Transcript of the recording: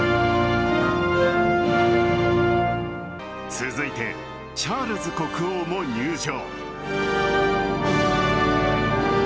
続いてチャールズ国王も入場。